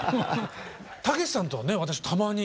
武史さんとはね私たまに。